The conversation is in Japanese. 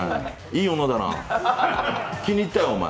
いい女だな、気に入ったよ。